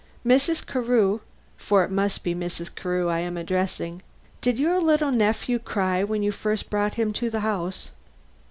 "Mrs. Carew for it must be Mrs. Carew I am addressing did your little nephew cry when you first brought him to the house?"